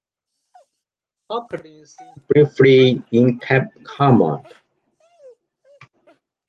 Hulkling is seen briefly in Camp Hammond.